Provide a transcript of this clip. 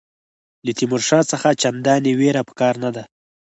له تیمورشاه څخه چنداني وېره په کار نه ده.